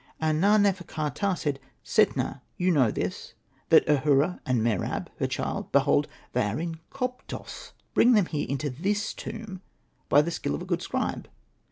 And Na.nefer.ka.ptah said, ''Setna, you know this, that Ahura and Mer ab, her child, behold ! they are in Koptos ; bring them here into this tomb, by the skill of a good scribe.